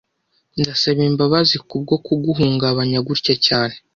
Ndasaba imbabazi kubwo kuguhungabanya gutya cyane